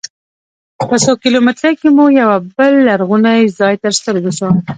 په څو کیلومترۍ کې مو یوه بل لرغونی ځاې تر سترګو سو.